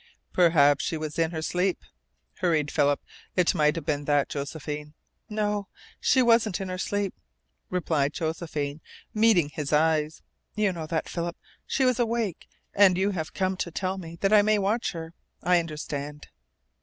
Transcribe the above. "Perhaps she was in her sleep," hurried Philip. "It might have been that, Josephine." "No, she wasn't in her sleep," replied Josephine, meeting his eyes. "You know that, Philip. She was awake. And you have come to tell me so that I may watch her. I understand."